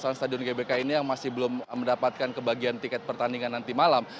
kawasan stadion gbk ini yang masih belum mendapatkan kebagian tiket pertandingan nanti malam